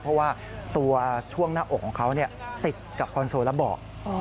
เพราะว่าตัวช่วงหน้าอกของเขาติดกับคอนโซลและเบาะ